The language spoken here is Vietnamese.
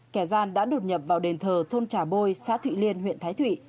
kẻ gian đã đột nhập vào đền thờ thôn trà bôi xã thụy liên huyện thái thụy